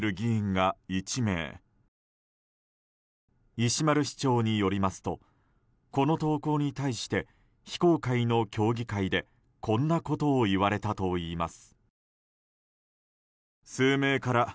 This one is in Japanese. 石丸市長によりますとこの投稿に対して非公開の協議会で、こんなことを言われたといいます。